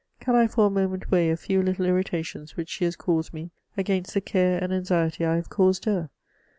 Can I for a moment weigh a few little irritations which she has caused me against the care and anxiety i have caused her